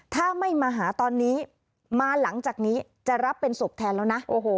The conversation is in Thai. ถ้าไม่มาหาตอนนี้มาหลังจากนี้จะรับเป็นศพแทนแล้วนะ